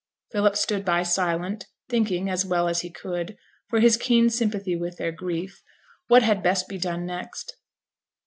Philip stood by silent, thinking, as well as he could, for his keen sympathy with their grief, what had best be done next.